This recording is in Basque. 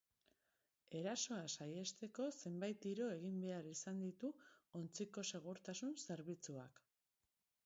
Erasoa saihesteko zenbait tiro egin behar izan ditu ontziko segurtasun zerbitzuak.